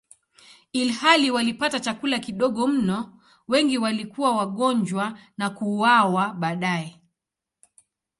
Ilhali walipata chakula kidogo mno, wengi walikuwa wagonjwa na kuuawa baadaye.